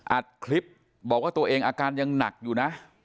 อัดคลิปบอกว่าตัวเองอาการยังหนักอยู่นะ